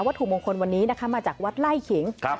ถูกมงคลวันนี้นะคะมาจากวัดไล่ขิง